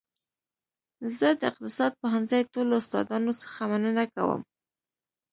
زه د اقتصاد پوهنځي ټولو استادانو څخه مننه کوم